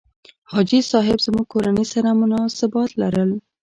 حاجي صاحب زموږ کورنۍ سره مناسبات لرل.